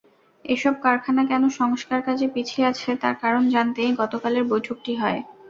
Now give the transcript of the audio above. এসব কারখানা কেন সংস্কারকাজে পিছিয়ে আছে তার কারণ জানতেই গতকালের বৈঠকটি হয়।